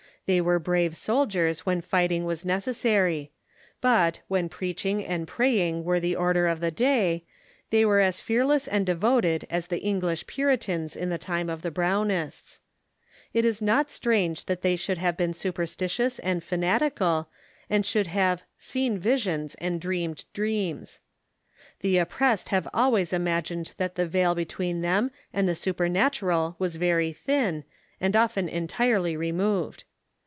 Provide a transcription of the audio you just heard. They Avere brave sol The Camisards ,., n i • diers when nghting was necessary ; but, when preaching and praying were the order of the day, they were 342 THE MODERN CHUECH as fearless and devoted as the English Puritans in the time of the Brownists. It is not strange that they should have been superstitious and fanatical, and should have "seen visions and dreamed dreams." The oppressed have always imagined that the veil between them and the supernatural was very thin, and often entirely removed.